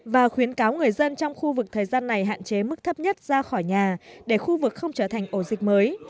và khuyến cáo người dân trong khu vực thời gian này hạn chế mức thấp nhất ra khỏi nhà để khu vực không trở thành ổ dịch mới